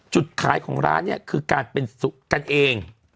จุดขายของร้านเนี่ยคือการเป็นสุขกันเอง